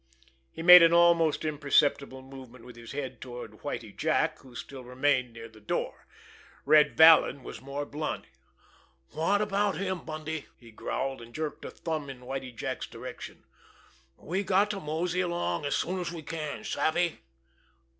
He made an almost imperceptible movement with his head toward Whitie Jack, who still remained near the door. Red Vallon was more blunt. "What about him, Bundy?" he growled, and jerked a thumb in Whitie Jack's direction. "We got to mosey along as soon as we can. Savvy?"